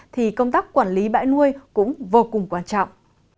thì công tác quản lý bãi nuôi cũng vô cùng quan trọng